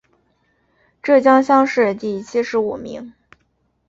浙江乡试第七十五名。